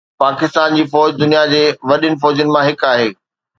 پاڪستان جي فوج دنيا جي وڏين فوجن مان هڪ آهي.